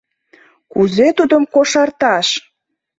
«Кузе тудым кошарташ?